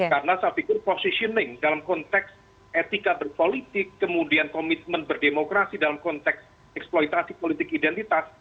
karena saya pikir positioning dalam konteks etika berpolitik kemudian komitmen berdemokrasi dalam konteks eksploitasi politik identitas